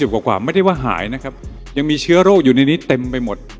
กว่าไม่ได้ว่าหายนะครับยังมีเชื้อโรคอยู่ในนี้เต็มไปหมด